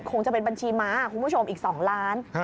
คงจะเป็นบัญชีม้าคุณผู้ชมอีก๒ล้าน